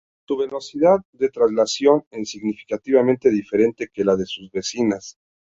Su velocidad de traslación en significativamente diferente que la de sus vecinas.